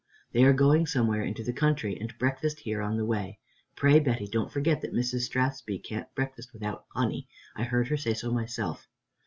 They are going somewhere into the country and breakfast here on the way. Pray, Betty, don't forget that Mrs. Strathspey can't breakfast without honey. I heard her say so myself."